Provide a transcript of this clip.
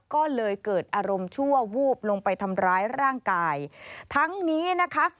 ก็เลยเกิดอารมณ์ชั่ววูบลงไปทำร้ายร่างกายทั้งนี้นะคะ